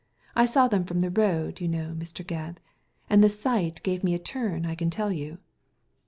I saw them from the road, you know, Mr. Gebb; and the sight gave me a turn, I can tell you."